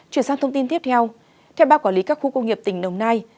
chuyển sang thông tin tiếp theo theo ba quản lý các khu công nghiệp tỉnh đồng nai